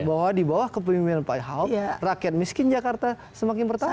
bahwa di bawah kepemimpinan pak ahok rakyat miskin jakarta semakin bertambah